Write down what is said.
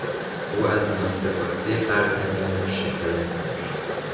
او از ناسپاسی فرزندانش شکایت داشت.